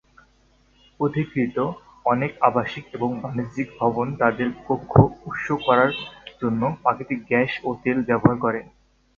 অধিকন্তু, অনেক আবাসিক এবং বাণিজ্যিক ভবন তাদের কক্ষ উষ্ণ করার জন্য প্রাকৃতিক গ্যাস বা তেল ব্যবহার করে।